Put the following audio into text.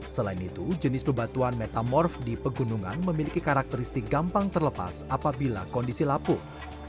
selain itu jenis bebatuan metamorf di pegunungan memiliki karakteristik gampang terlepas apabila kondisi lapuh